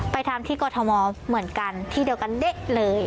ทำที่กรทมเหมือนกันที่เดียวกันเด๊ะเลย